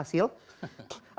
gak semua usaha kita berhasil